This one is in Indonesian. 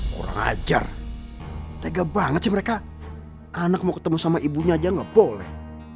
kurang ajar tega banget sih mereka anak mau ketemu sama ibunya aja nggak boleh